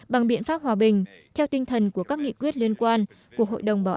bằng biện pháp hòa bình theo tinh thần của các nghị quyết liên quan của hội đồng bảo an